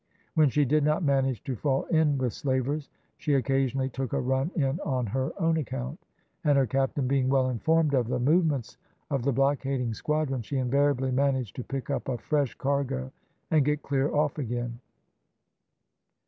When she did not manage to fall in with slavers she occasionally took a run in on her own account, and her captain being well informed of the movements of the blockading squadron, she invariably managed to pick up a fresh cargo and get clear off again.